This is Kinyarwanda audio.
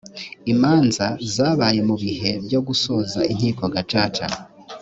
imanza zabaye mu bihe byo gusoza inkiko gacaca